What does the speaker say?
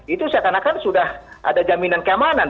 itu seakan akan sudah ada jaminan keamanan